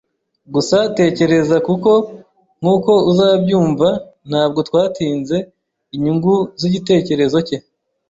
gusa tekereza, kuko nkuko uzabyumva, ntabwo twatinze inyungu z'igitekerezo cye.